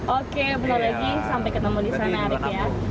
oke bener lagi sampai ketemu di sana arief ya